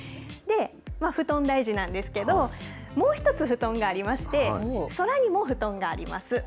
布団、大事なんですけど、もう１つ布団がありまして、空にも布団があります。